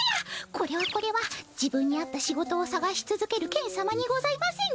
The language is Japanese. これはこれは自分に合った仕事をさがしつづけるケン様にございませんか！